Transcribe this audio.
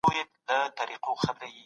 څه شی د تړونونو د ماتېدو لامل کیږي؟